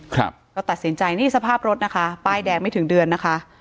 ครับก็ตัดสินใจนี่สภาพรถนะคะป้ายแดงไม่ถึงเดือนนะคะ